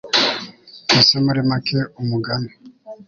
mbese muri make umugani